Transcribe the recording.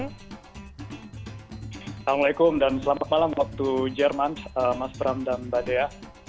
assalamualaikum dan selamat malam waktu jerman mas bram dan mbak dea